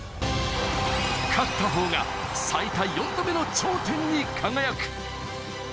勝った方が最多４度目の頂点に輝く。